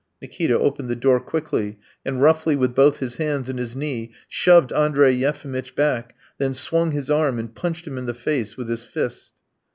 Nikita opened the door quickly, and roughly with both his hands and his knee shoved Andrey Yefimitch back, then swung his arm and punched him in the face with his fist.